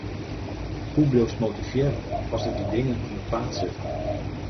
Hoe bliuwst motivearre as der dy dingen yn it paad sitte?